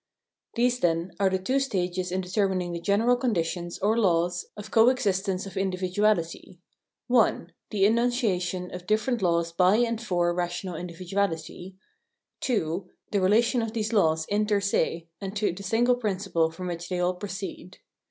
These then are the two stages in determining the general conditions or laws of co existence of individuality : (1) the enunciation of different laws by and for rational individuality, (2) the relation of these laws inter se, and to the single principle from which they all proceed.